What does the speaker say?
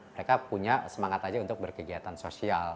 mereka punya semangat aja untuk berkegiatan sosial